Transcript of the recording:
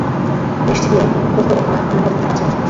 নিশ্চিত নই, দোস্ত ওহ না, আমরা পথ খুঁজে পাচ্ছি না।